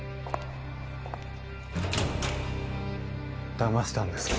だましたんですか？